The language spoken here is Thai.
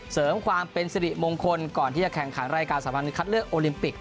เสริมความเป็นสิริมงคลก่อนที่จะแข่งขันรายการสำคัญคัดเลือกโอลิมปิก